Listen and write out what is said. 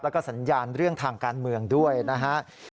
แล้วก็สัญญาณเรื่องทางการเมืองด้วยนะครับ